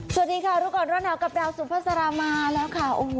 สวัสดีค่ะลูกอ่อนร้อนหนาวกระเป๋าสุภาษาลามาแล้วค่ะโอ้โห